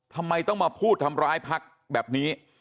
ทำไมต้องมาพูดทำร้ายพักแบบนี้